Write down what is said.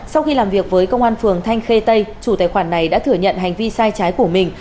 sau khi làm việc với công an phường thanh khê tây chủ tài khoản này đã thừa nhận hành vi sai trái của mình